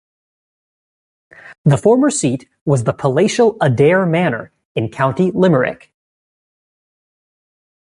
The former seat was the palatial Adare Manor in County Limerick.